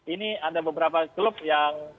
ini ada beberapa klub yang